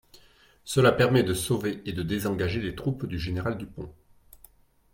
Cela permet de sauver et de désengager les troupes du général Dupont.